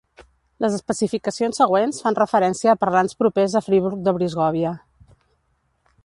Les especificacions següents fan referència a parlants propers a Friburg de Brisgòvia.